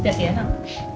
biar dia tau